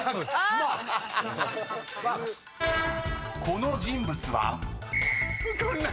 ［この人物は？］